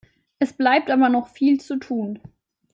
Es bleibt aber noch viel zu tun.